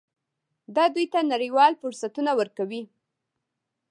دا دوی ته نړیوال فرصتونه ورکوي.